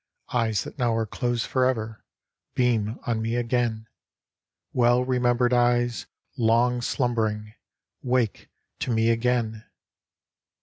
Eyes that now are closed for ever Beam on me again, — Well remembered eyes ! long slumb'ring ! Wake to me again